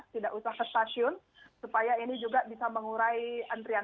tidak usah ke stasiun supaya ini juga bisa mengurai antrian